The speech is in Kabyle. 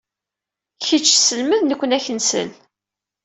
Kečč selmed, nukni ad k-nsel.